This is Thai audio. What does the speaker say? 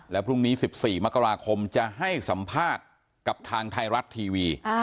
แล้วพรุ่งนี้๑๔มกราคมจะให้สัมภาษณ์กับทางไทยรัฐทีวี